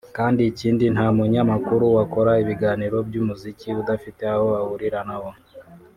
kandi ikindi nta munyamakuru wakora ibiganiro by’umuziki adafite aho ahurira na wo